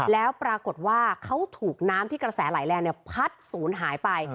แล้วปรากฏว่าเขาถูกน้ำที่กระแสไหลแรงพัดศูนย์หายไป